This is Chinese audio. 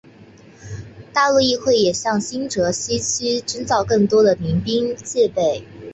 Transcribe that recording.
大陆议会也向新泽西州征召更多民兵戒备。